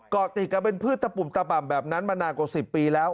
เกาะติดกันเป็นพืชตะปุ่มตะป่ำแบบนั้นมานานกว่า๑๐ปีแล้ว